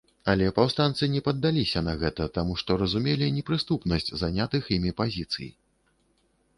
Але паўстанцы не паддаліся на гэта, таму што разумелі непрыступнасць занятых імі пазіцый.